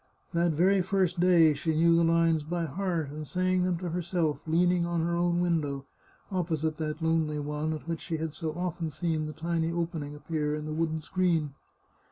That very first day she knew the lines by heart, and sang them to herself, leaning on her own window, opposite that lonely one at which she had so often seen the tiny opening appear in the wooden screen.